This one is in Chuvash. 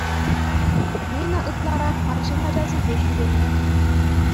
Нина ытларах арҫын ачасемпе ҫӳренӗ.